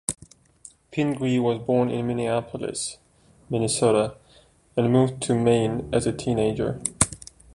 Pingree was born in Minneapolis, Minnesota and moved to Maine as a teenager.